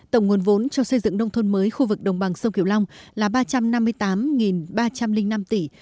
tổng nguồn vốn cho xây dựng nông thôn mới khu vực đồng bằng sông kiểu long là ba trăm năm mươi tám ba trăm linh năm tỷ